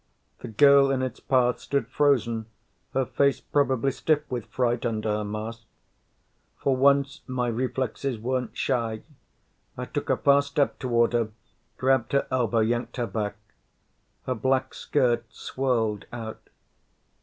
The girl in its path stood frozen, her face probably stiff with fright under her mask. For once my reflexes weren't shy. I took a fast step toward her, grabbed her elbow, yanked her back. Her black skirt swirled out.